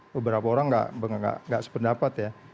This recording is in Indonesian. beberapa orang nggak sependapat ya